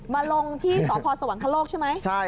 มาลงที่สพสวรรคโลกใช่ไหม